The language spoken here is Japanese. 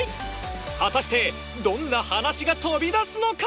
果たしてどんな話が飛び出すのか？